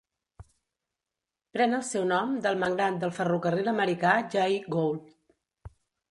Pren el seu nom del magnat del ferrocarril americà Jay Gould.